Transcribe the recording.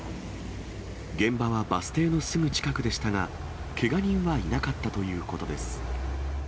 現場はバス停のすぐ近くでしたが、けが人はいなかったということです。